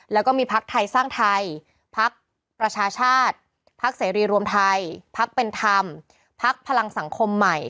แล้วก็มีพักไทยสร้างไทยพักประชาชาติพักเสรีรวมไทยพักเป็นธรรมพักพลังสังคมใหม่